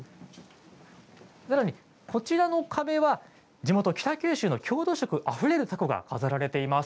さらに、こちらの壁は地元、北九州の郷土色あふれる凧も飾られています。